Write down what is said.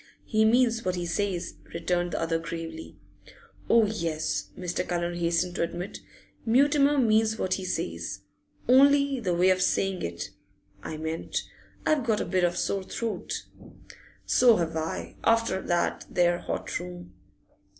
'He means what he says,' returned the other gravely. 'Oh yes,' Mr. Cullen hastened to admit. 'Mutimer means what he says! Only the way of saying it, I meant I've got a bit of a sore throat.' 'So have I. After that there hot room.